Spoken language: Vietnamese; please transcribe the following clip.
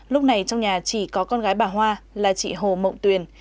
lúc này trong nhà chỉ có con gái bà hoa là chị hồ mộng tuyền